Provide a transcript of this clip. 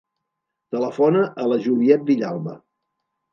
Telefona a la Juliet Villalba.